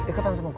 deketan sama gue